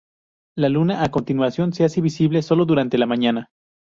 La Luna, a continuación, se hace visible solo durante la mañana.